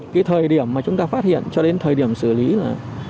cái thời điểm mà chúng ta phát hiện cho đến thời điểm xử lý là